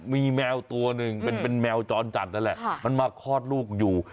มีแมวตัวหนึ่งเป็นแมวจรจัดนั่นแหละมันมาคลอดลูกอยู่